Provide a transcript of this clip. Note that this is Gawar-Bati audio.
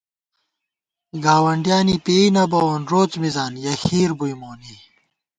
گاوَنڈیانےپېئ نہ بَوون روڅ مِزان یَہ ہِیر بُئی مونی